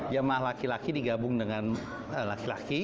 jemaah laki laki digabung dengan laki laki